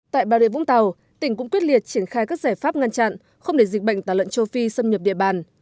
tại bà rịa vũng tàu tỉnh cũng quyết liệt triển khai các giải pháp ngăn chặn không để dịch bệnh tà lợn châu phi xâm nhập địa bàn